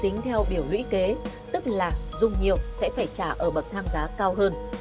tính theo biểu lũy kế tức là dùng nhiều sẽ phải trả ở bậc thang giá cao hơn